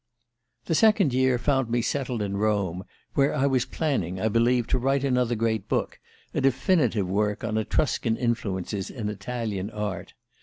"The second year found me settled in Rome, where I was planning, I believe, to write another great book a definitive work on Etruscan influences in Italian art.